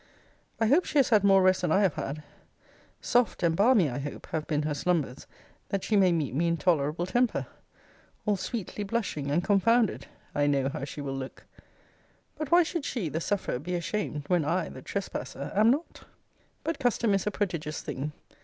I hope she has had more rest than I have had. Soft and balmy, I hope, have been her slumbers, that she may meet me in tolerable temper. All sweetly blushing and confounded I know how she will look! But why should she, the sufferer, be ashamed, when I, the trespasser, am not? But custom is a prodigious thing.